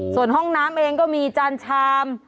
ส่วนห้องน้ำเองก็มีจานชาม